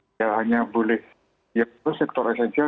tidak hanya boleh diatur sektor esensial